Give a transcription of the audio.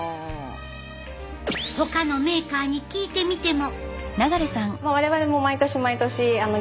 ほかのメーカーに聞いてみても。